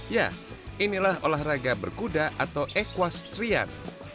ya inilah olahraga berkuda atau equastrian